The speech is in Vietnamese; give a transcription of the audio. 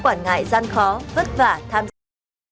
quản ngại gian khó vất vả tham gia lực lượng